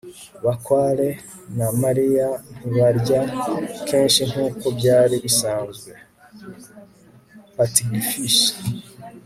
bakware na mariya ntibarya kenshi nkuko byari bisanzwe. (patgfisher